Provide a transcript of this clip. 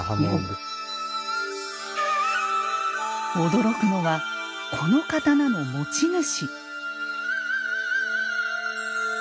驚くのはこの刀の持ち主。